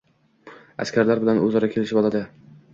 Askarlar bilan o‘zaro kelishib oladi.